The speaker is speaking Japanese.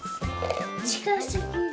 ちかすぎる！